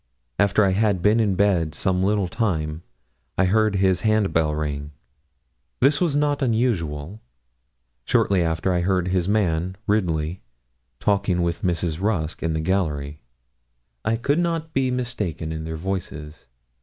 After I had been in bed some little time, I heard his hand bell ring. This was not usual. Shortly after I heard his man, Ridley, talking with Mrs. Rusk in the gallery. I could not be mistaken in their voices.